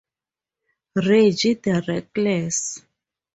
Reggie The Reckless.